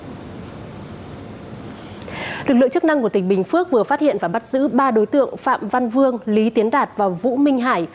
lực lượng chức năng của tỉnh bình phước vừa phát hiện và bắt giữ ba đối tượng phạm văn vương lý tiến đạt và vũ minh hải